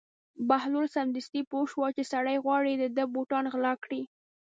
بهلول سمدستي پوه شو چې سړی غواړي د ده بوټان غلا کړي.